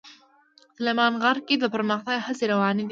سلیمان غر کې د پرمختګ هڅې روانې دي.